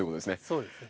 そうですね。